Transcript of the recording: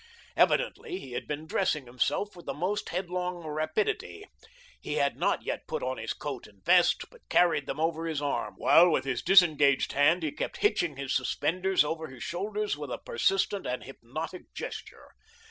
Evidently he had been dressing himself with the most headlong rapidity; he had not yet put on his coat and vest, but carried them over his arm, while with his disengaged hand he kept hitching his suspenders over his shoulders with a persistent and hypnotic gesture.